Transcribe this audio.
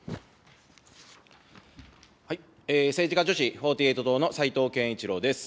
政治家女子４８党の齊藤健一郎です。